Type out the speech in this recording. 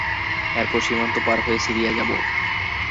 এরপর সীমান্ত পার হয়ে সিরিয়ায় যাব।